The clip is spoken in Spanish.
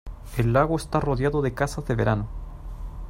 El lago está rodeado de casas de verano.